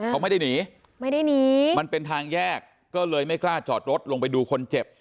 เขาไม่ได้หนีไม่ได้หนีมันเป็นทางแยกก็เลยไม่กล้าจอดรถลงไปดูคนเจ็บ